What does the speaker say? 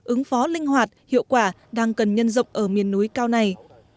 ứng phó linh hoạt hiệu quả đang cần nhân rộng ở miền núi cao này